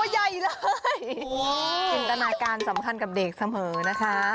จินตนาการสำคัญกับเด็กเสมอนะคะ